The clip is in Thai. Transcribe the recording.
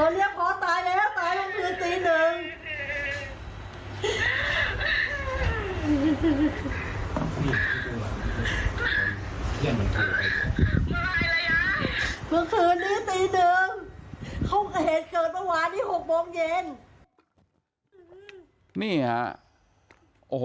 เมื่อคืนตีหนึ่งเขาเห็นเกิดวันวานที่๖โมงเย็นนี่ค่ะโอ้โห